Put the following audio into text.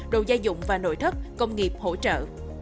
đồ gia dụng và nội thất công nghiệp hỗ trợ